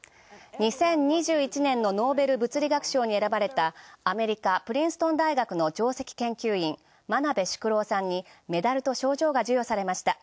２０２１年のノーベル物理学賞に選ばれたアメリカ、プリンストン大学の上席研究員、真鍋淑郎さんにメダルと賞状が授与されました。